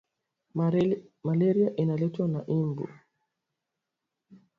Malaria inaletwa na imbu